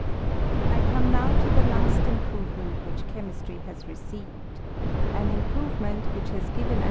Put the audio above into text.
I COME now to the last improvement which che mistry has received— an improvement which hat nven a.